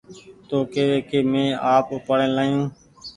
تو ڪيوي ڪي مينٚ آپ اُپآڙين لآيو